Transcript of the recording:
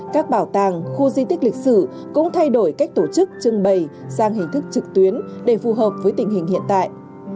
các bảo tàng khu di tích lịch sử cũng thay đổi cách tổ chức trưng bày sang hình thức trực tuyến để phù hợp với tình hình hiện tại